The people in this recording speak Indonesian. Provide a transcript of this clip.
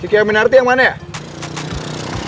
kikia minarti yang mana ya